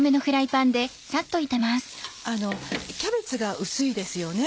キャベツが薄いですよね。